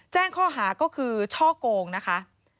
แจ้งข้อหาก็คือช่อโกงนะคะ